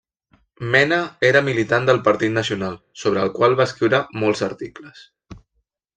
Mena era militant del Partit Nacional, sobre el qual va escriure molts articles.